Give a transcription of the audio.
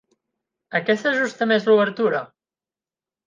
A què s'ajusta més l'obertura?